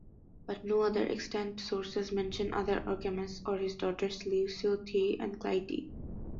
But no other extant sources mention either Orchamus or his daughters Leucothoe and Clytie.